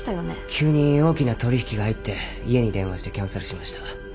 急に大きな取引が入って家に電話してキャンセルしました。